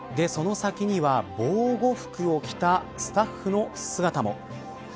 その先には防護服を着たスタッフの姿も。